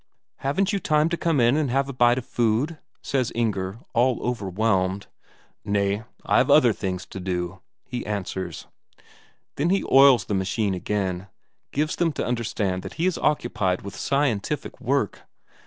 "Haven't you time to come in and have a bite of food?" says Inger, all overwhelmed. "Nay, I've other things to do," he answers. Then he oils the machine again; gives them to understand that he is occupied with scientific work.